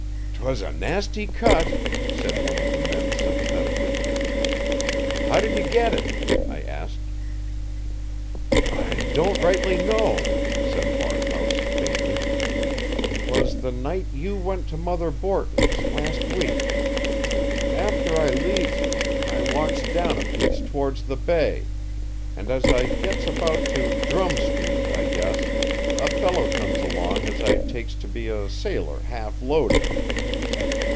"'Twas a nasty cut," said one of the men sympathetically. "How did you get it?" I asked. "I don't rightly know," said Barkhouse faintly. "'Twas the night you went to Mother Borton's last week. After I leaves you, I walks down a piece towards the bay, and as I gets about to Drumm Street, I guess, a fellow comes along as I takes to be a sailor half loaded.